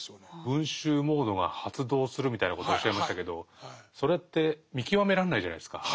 「群衆モードが発動する」みたいなことをおっしゃいましたけどそれって見極めらんないじゃないですか。